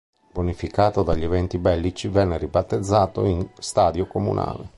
Bonificato dagli eventi bellici, venne ribattezzato in "Stadio Comunale".